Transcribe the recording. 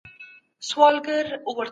د دوی نظریات په هغه وخت کي ګټور وو.